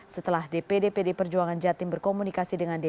setelah dpd pdi perjuangan jawa timur berkomunikasi dengan jadim